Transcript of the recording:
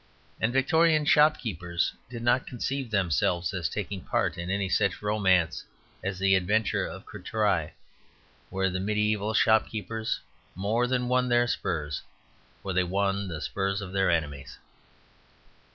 And Victorian shopkeepers did not conceive themselves as taking part in any such romance as the adventure of Courtrai, where the mediæval shopkeepers more than won their spurs for they won the spurs of their enemies.